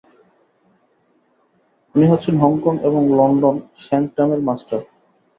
উনি হচ্ছেন হংকং এবং লন্ডন স্যাঙ্কটামের মাস্টার।